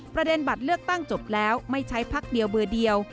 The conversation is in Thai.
ประเด็นบัตรเลือกตั้งจบแล้วไม่ใช้พักเดียวเบอร์เดียว